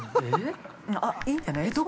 ◆ええっ、いいんじゃない。